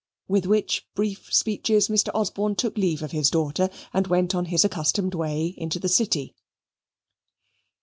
With which brief speeches Mr. Osborne took leave of his daughter and went on his accustomed way into the City.